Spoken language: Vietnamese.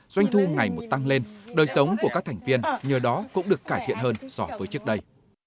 doanh thu ngày một tăng lên đời sống của các thành viên nhờ đó cũng được cải thiện hơn so với trước đây